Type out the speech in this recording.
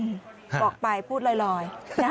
บอกไปพูดลอยนะครับ